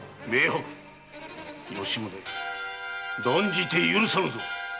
吉宗断じて許さぬぞ！